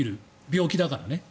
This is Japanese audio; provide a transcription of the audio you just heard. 病気だからね。